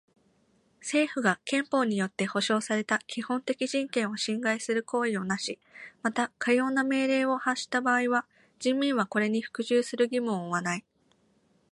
政府が憲法によって保障された基本的人権を侵害する行為をなし、またかような命令を発した場合は人民はこれに服従する義務を負わない。